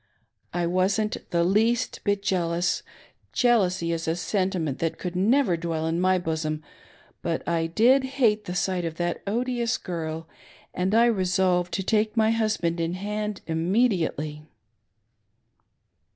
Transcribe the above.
1 wasn't the least bit jealous — jealousy is a sen timent that could never xiwell in mj: bosom — but I did hate the sight of that odious girl, and I resolved to take my husband, in hand immediately."